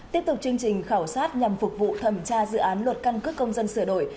tiếp tục chương trình khảo sát nhằm phục vụ thẩm tra dự án luật căn cước công dân sửa đổi